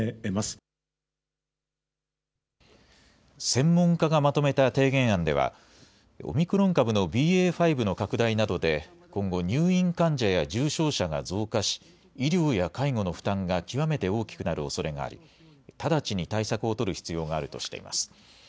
専門家がまとめた提言案ではオミクロン株のＢＡ．５の拡大などで今後、入院患者や重症者が増加し医療や介護の負担が極めて大きくなるおそれがあり直ちに対策を取る必要があるとしています。